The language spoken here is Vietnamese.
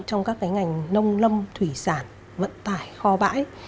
trong các ngành nông lâm thủy sản vận tải kho bãi